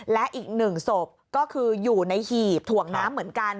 และอีกหนึ่งศพก็คืออยู่ในหีบถ่วงน้ำเหมือนกัน